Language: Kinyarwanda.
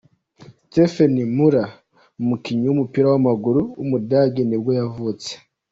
Stefan Müller, umukinnyi w’umupira w’amaguru w’umudage nibwo yavutse.